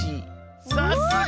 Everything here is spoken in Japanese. さすが！